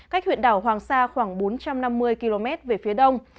cách huyện đảo hoàng sa khoảng bốn trăm năm mươi km về phía đông